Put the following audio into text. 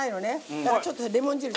だからちょっとレモン汁。